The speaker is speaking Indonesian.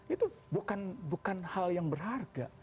itu bukan hal yang berharga